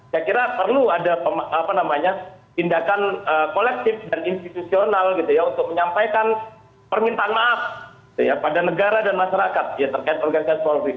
saya kira perlu ada tindakan kolektif dan institusional gitu ya untuk menyampaikan permintaan maaf pada negara dan masyarakat ya terkait organisasi polri